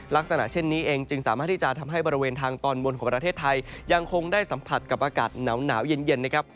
ลักษณะเช่นนี้เองจึงสามารถที่จะทำให้บริเวณทางตอนบนของประเทศไทยยังคงได้สัมผัสกับอากาศหนาวเย็นนะครับ